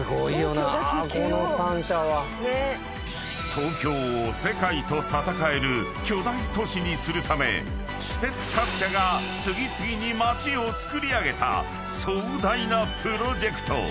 ［東京を世界と闘える巨大都市にするため私鉄各社が次々に街をつくり上げた壮大なプロジェクト］